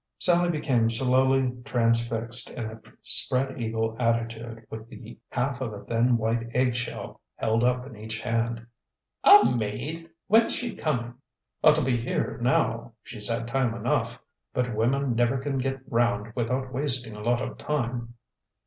Sallie became slowly transfixed in a spread eagle attitude, with the half of a thin white egg shell held up in each hand. "A maid! When's she coming?" "Ought to be here now, she's had time enough. But women never can get round without wasting a lot of time."